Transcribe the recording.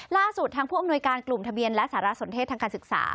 ล่าสุดทางผู้อำนวยการกลุ่มทะเบียนและสารสนเทศทางการศึกษา